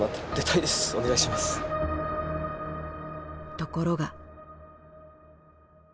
ところが。